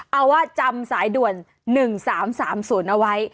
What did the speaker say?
เอาว่าจำสายด่วน๑๓๓๐เอาไว้